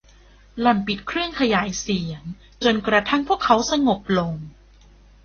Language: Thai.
หล่อนปิดเครื่องขยายเสียงจนกระทั่งพวกเขาสงบลง